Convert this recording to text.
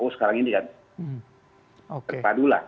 oh sekarang ini kan terpadu lah